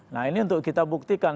nah ini untuk kita buktikan